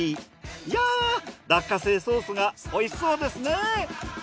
いや落花生ソースがおいしそうですね。